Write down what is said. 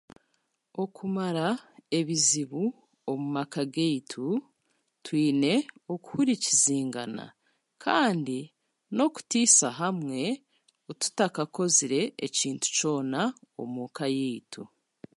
Okumara ebizibu omumaka g'eitu twine okuhurikizingana kandi n'okutiisa hamwe tutakakozire ekintu kyona omuka yeitu.